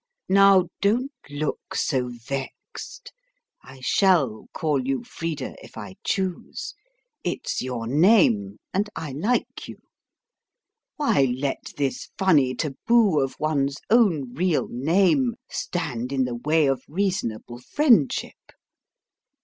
"Now, don't look so vexed; I shall call you Frida if I choose; it's your name, and I like you. Why let this funny taboo of one's own real name stand in the way of reasonable friendship?